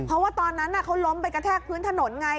เพราะว่าตอนนั้นเขาล้มไปกระแทกพื้นถนนไง